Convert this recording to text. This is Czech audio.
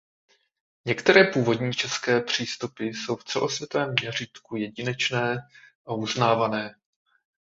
Některé původní české přístupy jsou v celosvětovém měřítku jedinečné a uznávané.